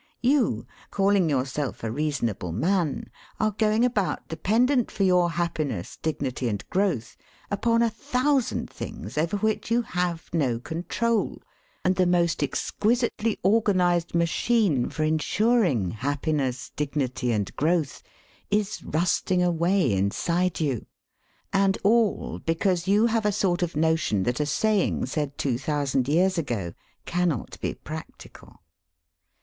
You, calling yourself a reasonable man, are going about dependent for your happiness, dignity, and growth, upon a thousand things over which you have no control, and the most exquisitely organised machine for ensuring happiness, dignity, and growth, is rusting away inside you. And all because you have a sort of notion that a saying said two thousand years ago cannot be practical.